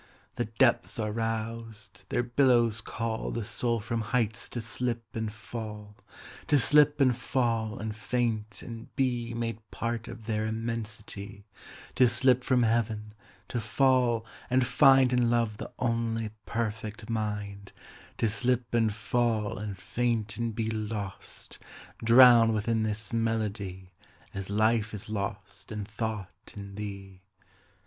The depths are roused: their billows callThe soul from heights to slip and fall; To slip and fall and faint and beMade part of their immensity; To slip from Heaven; to fall and findIn love the only perfect mind; To slip and fall and faint and beLost, drowned within this melody, As life is lost and thought in thee.